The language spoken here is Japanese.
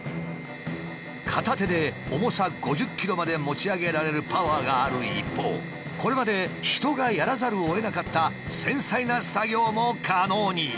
片手で重さ５０ｋｇまで持ち上げられるパワーがある一方これまで人がやらざるをえなかった繊細な作業も可能に。